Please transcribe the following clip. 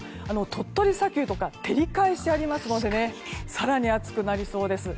鳥取砂丘とか照り返しがありますので更に暑くなりそうです。